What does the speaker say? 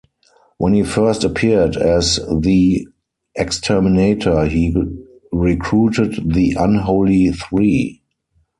When he first appeared as the Exterminator, he recruited the Unholy Three.